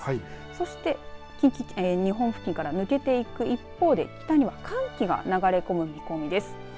そして日本付近から抜けていく一方で北には寒気が流れ込む見込みです。